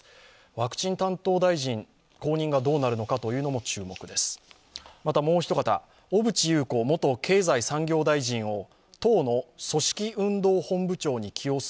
ワクチン担当大臣、後任がどうなるのかというのも注目です。